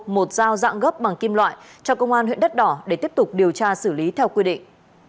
một dao dạng gốc bằng kim loại cho công an huyện đất đỏ để tiếp tục điều tra xử lý theo quy định